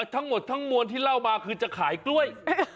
ทั้งหมดทั้งมวลที่เล่ามาคือจะขายกล้วย